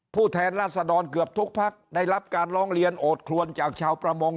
แทนราษฎรเกือบทุกพักได้รับการร้องเรียนโอดคลวนจากชาวประมง